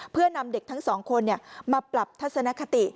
เพื่อนำเด็กทั้งสองคนมาปรับทัศนคติ